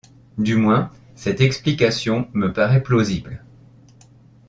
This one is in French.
Du moins, cette explication me paraît plausible.